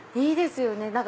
いいですよね。